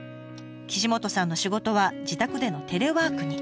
岸本さんの仕事は自宅でのテレワークに。